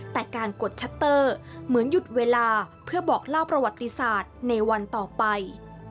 แต่การกดชัตเตอร์เหมือนหยุดเวลาเพื่อบอกเล่าประวัติศาสตร์ในวันต่อไป